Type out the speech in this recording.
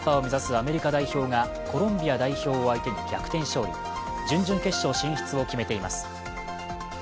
アメリカ代表がコロンビア相手に逆転勝利、準々決勝進出を決めています。